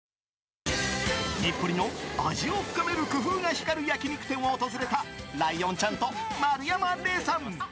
日暮里の味を深める工夫が光る焼き肉店を訪れたライオンちゃんと丸山礼さん。